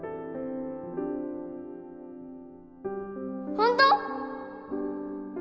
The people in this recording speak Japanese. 本当！？